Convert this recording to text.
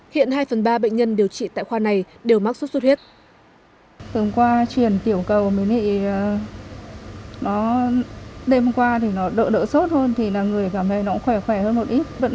hiện hai phần ba bệnh nhân điều trị tại khoa này đều mắc suốt suốt huyết